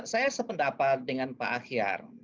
saya sependapat dengan pak ahyar